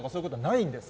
ないんです。